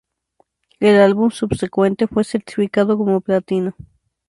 El álbum subsecuentemente fue certificado como platino.